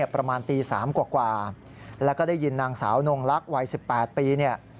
ประมาณตี๓กว่าแล้วก็ได้ยินนางสาวนงลักษณ์วัย๑๘ปีเนี่ย